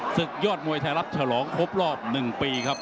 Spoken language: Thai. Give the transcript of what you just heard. ศึกยอดมวยไทยรัฐฉลองครบรอบ๑ปีครับ